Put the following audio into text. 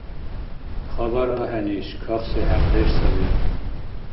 Хабар ахӀен иш, кахси хӀекьдеш саби.